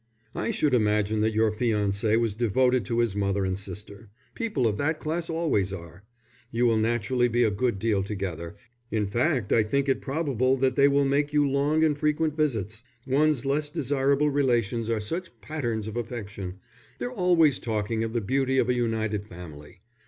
"I should imagine that your fiancé was devoted to his mother and sister. People of that class always are. You will naturally be a good deal together. In fact, I think it probable that they will make you long and frequent visits. One's less desirable relations are such patterns of affection; they're always talking of the beauty of a united family.